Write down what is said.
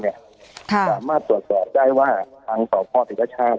สามารถตรวจสอบได้ว่าทางต่อพ่อศิกรชา